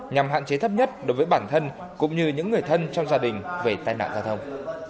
nhằm hạn chế thấp nhất đối với bản thân cũng như những người thân trong gia đình về tai nạn giao thông